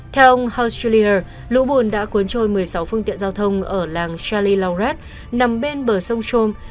theo ông houselier lũ bùn đã cuốn trôi một mươi sáu phương tiện giao thông ở làng charlie laurat nằm bên bờ sông shom